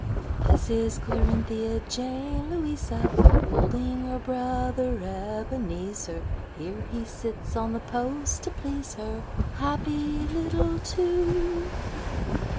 _) THIS is Clarinthia Jane Louisa, Holding her brother Ebenezer: Here he sits on the post to please her,— Happy little two!